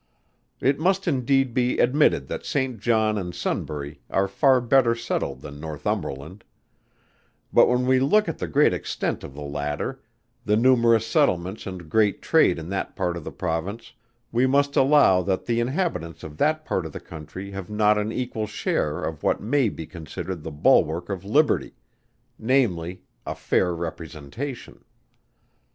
It must indeed be admitted that Saint John and Sunbury are far better settled than Northumberland; but when we look at the great extent of the latter, the numerous settlements and great trade in that part of the Province, we must allow that the inhabitants of that part of the country have not an equal share of what may be considered the bulwark of liberty namely, a fair representation.